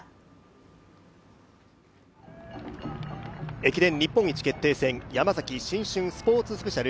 駅伝日本一決定戦・ヤマザキ新春スポ−ツスペシャル